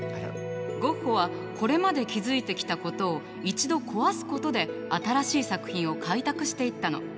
ゴッホはこれまで築いてきたことを一度壊すことで新しい作品を開拓していったの。